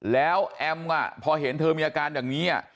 แล้วแอมพอเห็นเธอมีอาการอย่างนี้